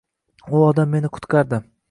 Bu odam meni qutqardi.